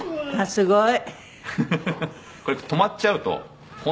すごい。